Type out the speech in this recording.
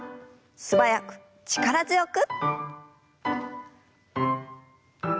素早く力強く。